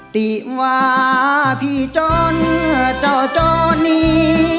ติว่าพี่จ้อนเจ้าจ้อนี่